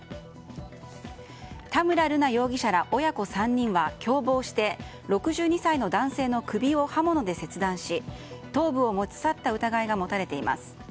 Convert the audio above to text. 田村瑠奈容疑者ら親子３人は共謀して６２歳の男性の首を刃物で切断し頭部を持ち去った疑いが持たれています。